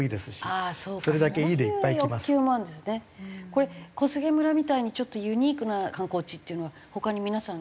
これ小菅村みたいにちょっとユニークな観光地っていうのは他に皆さん？